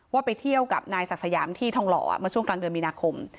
ไปเที่ยวกับนายศักดิ์สยามที่ทองหล่อมาช่วงกลางเดือนมีนาคม